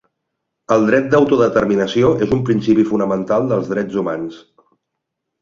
El dret d'autodeterminació és un principi fonamental dels drets humans.